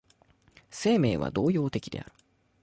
生命は動揺的である。